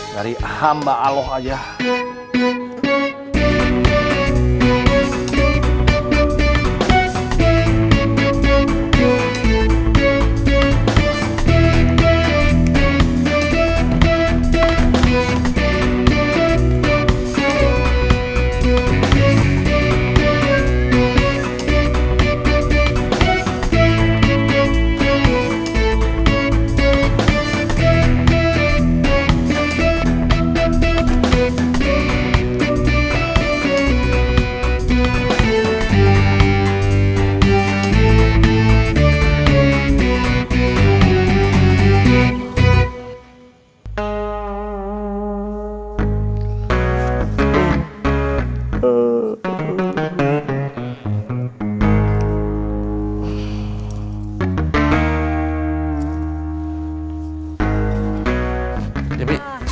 dari hamba allah aja